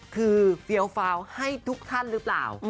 คือเฟียวฟาวให้ทุกท่านหรือเปล่า